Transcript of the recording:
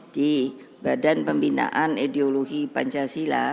di badan pembinaan ideologi pancasila